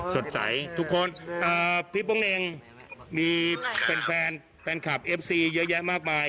สดใสทุกคนพี่โป้งเองมีแฟนแฟนคลับเอฟซีเยอะแยะมากมาย